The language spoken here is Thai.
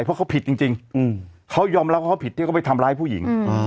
เพราะเขาผิดจริงเขายอมรับว่าเขาผิดที่เขาไปทำร้ายผู้หญิง